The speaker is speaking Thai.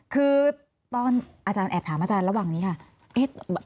คือตอนอาจารย์แอบถามอาจารย์ระหว่างนี้ค่ะ